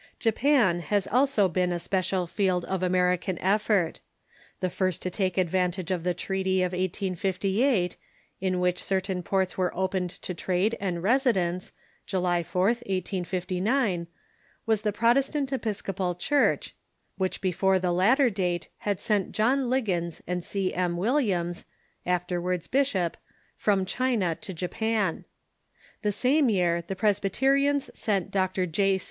Japan has also been a special field of American efi'ort. The first to take advantage of the treaty of 1858, in M^hich certain ports were opened to trade and residence, July 4th, 1859, Japan '■. 7^7? was the Protestant Episcopal Church, which before the latter date had sent John Liggins and C. M. Williams (after wards bishop) from China to Japan. The same year the Pres byterians sent Dr. J.